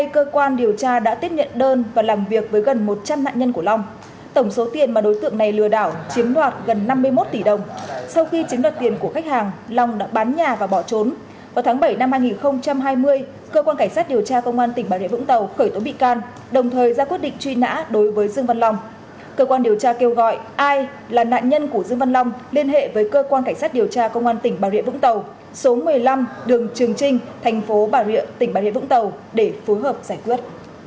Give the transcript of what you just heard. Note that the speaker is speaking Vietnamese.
cơ quan điều tra kêu gọi ai là nạn nhân của dương văn long liên hệ với cơ quan cảnh sát điều tra công an tỉnh bà rịa vũng tàu số một mươi năm đường trường trinh thành phố bà rịa tỉnh bà rịa vũng tàu để phối hợp giải quyết